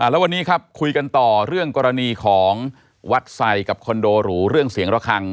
แล้ววันนี้ครับคุยกันต่อเรื่องกรณีของวัดไซค์กับคอนโดหรูเรื่องเสียงระคัง